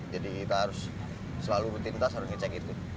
jadi kita harus selalu rutin tas harus ngecek itu